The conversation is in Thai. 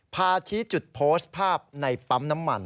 พาชี้จุดโพสต์ภาพในปั๊มน้ำมัน